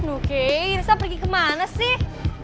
oke risa pergi ke mana sih